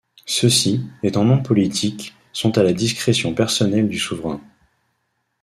Ceux-ci, étant non politiques, sont à la discrétion personnelle du souverain.